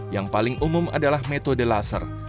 yang paling umum adalah metode laser